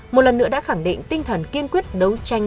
một lần nữa đã khẳng định tinh thần kiên quyết đấu tranh